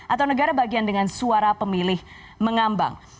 atau negara bagian dengan suara pemilih mengambang